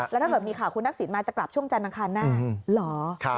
แล้วถ้าเกิดมีข่าวคุณทักษิณมาจะกลับช่วงจันทร์อังคารหน้าเหรอ